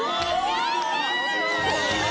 やった！